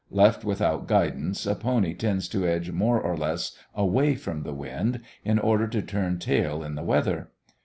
Left without guidance a pony tends to edge more or less away from the wind, in order to turn tail to the weather.